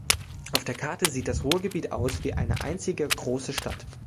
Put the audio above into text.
Auf der Karte sieht das Ruhrgebiet aus wie eine einzige große Stadt.